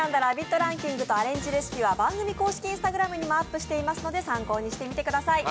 ランキングとアレンジレシピは番組公式Ｉｎｓｔａｇｒａｍにもアップしていますので、参考にしてみてください。